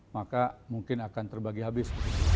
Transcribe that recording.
maka mungkin akan terbagi habis